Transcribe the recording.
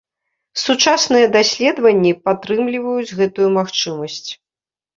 Сучасныя даследаванні падтрымліваюць гэтую магчымасць.